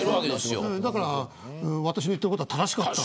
だから私の言ってることは正しかった。